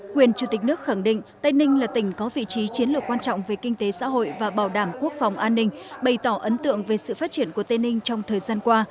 quyền chủ tịch nước khẳng định tây ninh là tỉnh có vị trí chiến lược quan trọng về kinh tế xã hội và bảo đảm quốc phòng an ninh bày tỏ ấn tượng về sự phát triển của tây ninh trong thời gian qua